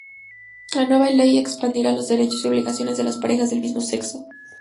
La nueva ley expandirá los derechos y obligaciones de las parejas del mismo sexo.